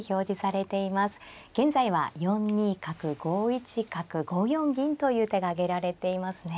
現在は４ニ角５一角５四銀という手が挙げられていますね。